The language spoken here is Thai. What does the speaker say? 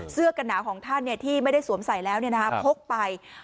เสื้อกันหนาวของท่านเนี่ยที่ไม่ได้สวมใส่แล้วเนี่ยนะฮะพกไป